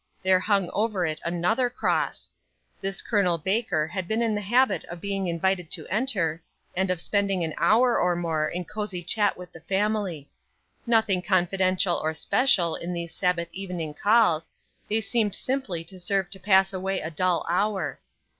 There hung over it another cross. This Col. Baker had been in the habit of being invited to enter, and of spending an hour or more in cosy chat with the family. Nothing confidential or special in these Sabbath evening calls; they seemed simply to serve to pass away a dull hour.